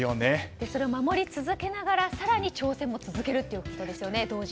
それを守り続けながら更に挑戦も続けるということですよね。